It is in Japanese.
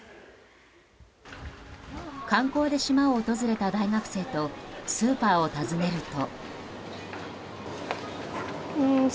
観光で島を訪れた大学生とスーパーを訪ねると。